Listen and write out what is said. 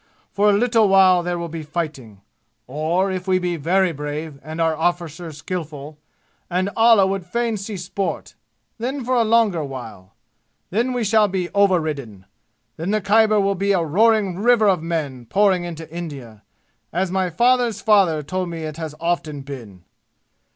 For a little while there will be fighting or, if we be very brave and our arrficers skillful, and Allah would fain see sport, then for a longer while. Then we shall be overridden. Then the Khyber will be a roaring river of men pouring into India, as my father's father told me it has often been!